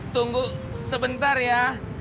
tunggu sebentar ya